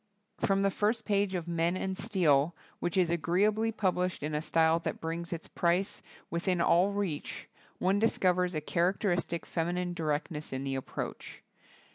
From the first page of "Men and Steel", which is agreeably published in a style that brings its price within all WOMAN SEES STEEL 83 reach, one discovers a characteristic feminine directness in the approach.